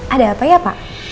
ada apa ya pak